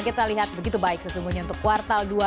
kita lihat begitu baik sesungguhnya untuk kuartal dua